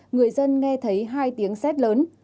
người dân nghe thấy hai tiếng xét lớn